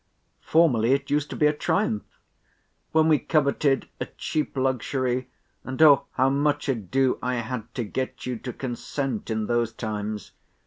Formerly it used to be a triumph. When we coveted a cheap luxury (and, O! how much ado I had to get you to consent in those times!)